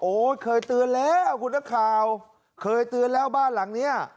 เคยเตือนแล้วคุณนักข่าวเคยเตือนแล้วบ้านหลังเนี้ย